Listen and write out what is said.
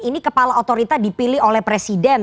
ini kepala otorita dipilih oleh presiden